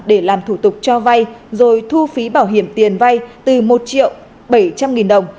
để làm thủ tục cho vay rồi thu phí bảo hiểm tiền vay từ một triệu bảy trăm linh nghìn đồng